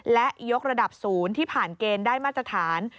และยกระดับศูนย์ที่ผ่านเกณฑ์ได้มาตรฐาน